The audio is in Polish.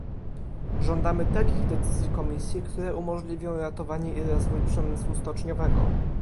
Żądamy takich decyzji Komisji, które umożliwią ratowanie i rozwój przemysłu stoczniowego